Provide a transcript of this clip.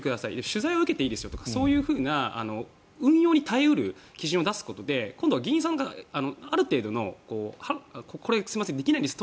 取材は受けていいですとかそういう運用に頼る基準を出すことで今度は議員さんがある程度のこれはできないんです